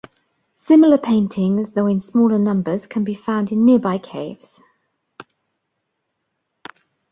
Similar paintings, though in smaller numbers, can be found in nearby caves.